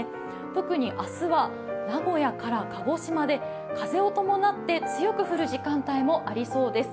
特に明日は名古屋から鹿児島で風を伴って強く降る時間帯もありそうです。